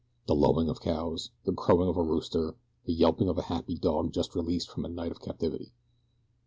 The lowing of cows, the crowing of a rooster, the yelping of a happy dog just released from a night of captivity.